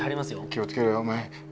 気を付けろよお前。